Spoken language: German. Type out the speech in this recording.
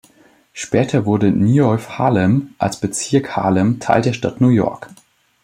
Später wurde "Nieuw-Haarlem" als Bezirk Harlem Teil der Stadt New York.